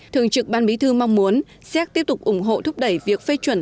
thường trực ban bí thư mong muốn xếp tiếp tục ủng hộ thúc đẩy việc phê chuẩn